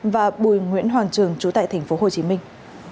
và bùi nguyễn hoàng trường chú tại tp hồ chí minh